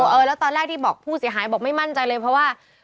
เออแล้วตอนแรกที่บอกผู้เสียหายบอกไม่มั่นใจเลยเพราะว่า